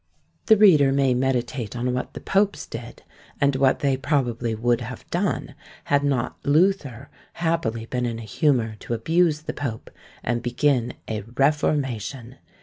The reader may meditate on what the popes did, and what they probably would have done, had not Luther happily been in a humour to abuse the pope, and begin a REFORMATION.